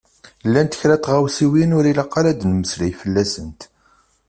Llant kra n tɣawsiwin ur ilaq ara ad nemmeslay fell-asent.